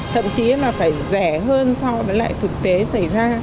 thậm chí là phải rẻ hơn so với lại thực tế xảy ra